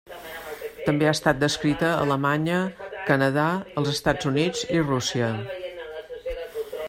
També ha estat descrita a Alemanya, Canadà, els Estats Units i Rússia.